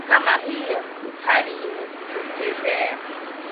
kama hiyo hali imekutokezea